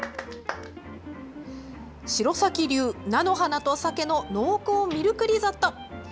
城咲流菜の花と鮭の濃厚ミルクリゾット。